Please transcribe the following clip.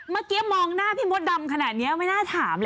เมื่อกี้มองหน้าพี่มดดำขนาดนี้ไม่น่าถามเลย